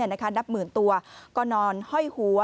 นับหมื่นตัวก็นอนห้อยหัว